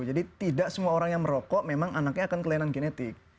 jadi tidak semua orang yang merokok memang anaknya akan kelainan genetik